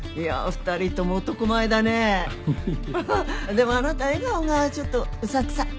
でもあなた笑顔がちょっとうさんくさい。